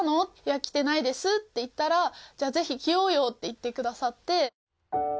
「着てないです」って言ったら「じゃあぜひ着ようよ」って言ってくださって。